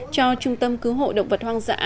cho trung tâm cứu hộ động vật hoang dã